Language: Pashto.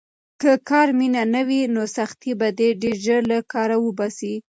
که کاري مینه نه وي، نو سختۍ به دې ډېر ژر له کاره وباسي.